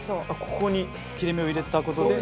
ここに切れ目を入れた事で。